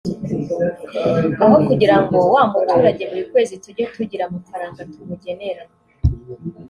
aho kugira ngo wa muturage buri kwezi tujye tugira amafaranga tumugenera